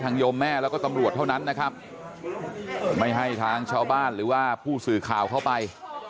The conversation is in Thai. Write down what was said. โยมแม่แล้วก็ตำรวจเท่านั้นนะครับไม่ให้ทางชาวบ้านหรือว่าผู้สื่อข่าวเข้าไป